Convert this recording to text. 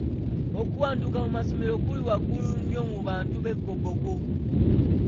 Okuwanduka mu masomero kuli waggulu nnyo mu bantu b'e Koboko.